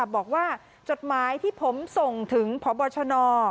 บอกว่าจดหมายที่ผมส่งถึงพบน